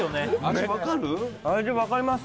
味分かります